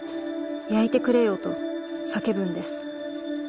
焼いてくれよ』と叫ぶんです。